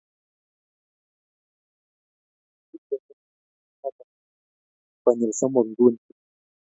Kaitebene kito noto konyel somok nguni